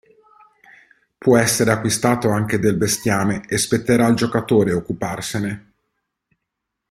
Può essere acquistato anche del bestiame e spetterà al giocatore occuparsene.